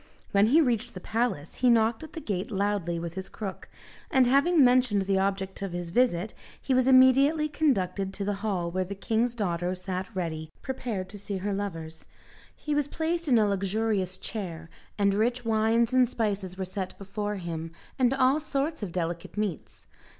When he reached the palace he knocked at the gate loudly with his crook, and having mentioned the object of his visit, he was immediately conducted to the hall where the king's daughter sat ready prepared to see her lovers. He was placed in a luxurious chair, and rich wines and spices were set before him, and all sorts of delicate meats.